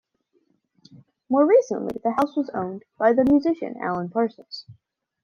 More recently the house was owned by the musician Alan Parsons.